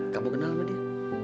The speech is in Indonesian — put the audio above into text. kamu kenal sama dia